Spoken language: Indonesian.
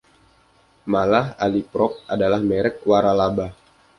Malah, Aliprox adalah merek waralaba.